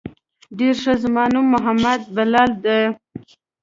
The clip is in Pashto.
ډېر ښه زما نوم محمد بلال ديه.